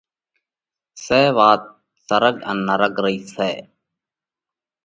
سئہ! وات سرڳ ان نرڳ رئِي سئہ!